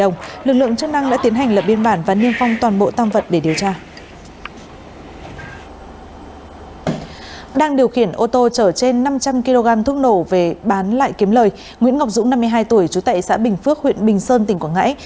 nguyễn ngọc dũng năm mươi hai tuổi chú tệ xã bình phước huyện bình sơn tỉnh quảng ngãi